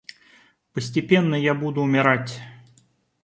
Постепенно я буду умирать.